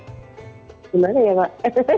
gimana ya pak